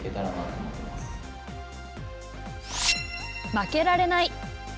負けられない！